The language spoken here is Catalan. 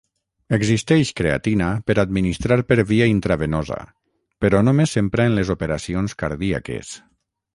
Existeix creatina per administrar per via intravenosa, però només s'empra en les operacions cardíaques.